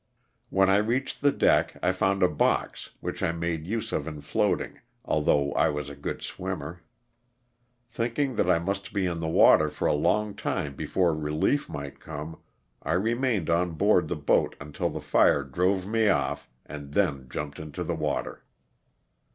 When I reached the deck I found a box which I made use of in floating although I was a good swim mer. Thinking that I must be in the water for a long time before relief might come, I remained on board the boat until the fire drove me off and then jumped into the water.